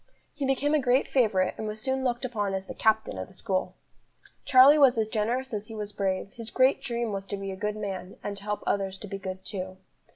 He became a great favourite, and was soon looked upon as the "captain" of the school. Charlie was as generous as he was brave; his great dream was to be a good man, and to help others to be good too.